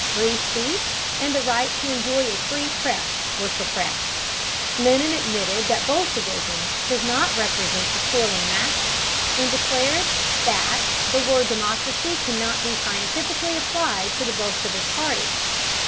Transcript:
Free speech and the right to enjoy a free press were suppressed. Lenin admitted that bolshevism "does not represent the toiling masses," and declared that "the word democracy cannot be scientifically applied to the bolshevist party."